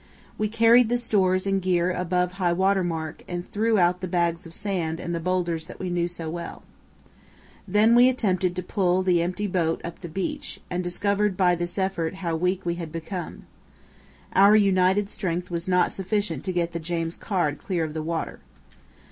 We carried the stores and gear above high water mark and threw out the bags of sand and the boulders that we knew so well. Then we attempted to pull the empty boat up the beach, and discovered by this effort how weak we had become. Our united strength was not sufficient to get the James Caird clear of the water.